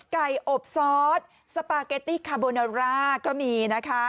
อบซอสสปาเกตตี้คาโบนาร่าก็มีนะคะ